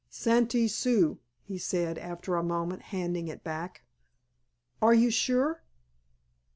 "Santee Sioux," he said after a moment, handing it back. "Are you sure?"